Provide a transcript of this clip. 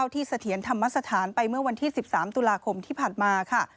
เสถียรธรรมสถานไปเมื่อวันที่๑๓ตุลาคมที่ผ่านมาค่ะ